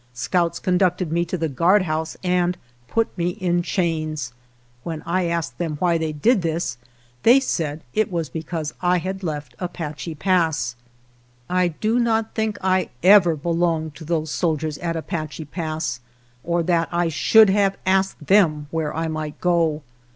Scouts conducted me to the guardhouse and put me in chains. When I asked them why they did this they said it was because I had left Apache Pass. 131 A GERONIMO I do not think that I ever belonged to those soldiers at Apache Pass, or that I should have asked them where I might go.